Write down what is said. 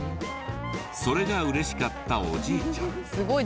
それが嬉しかったおじいちゃん。